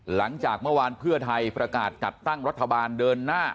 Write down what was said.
หลังจากเมื่อวานเพื่อไทยประกาศจัดตั้งรัฐบาลเดินหน้า